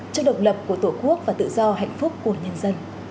cho độc lập của tổ quốc và tự do hạnh phúc của nhân dân